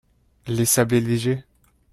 les sablés légers